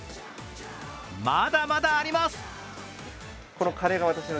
まだまだあります。